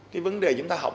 cái vấn đề chúng ta học